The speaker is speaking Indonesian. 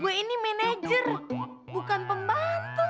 gue ini manajer bukan pembantu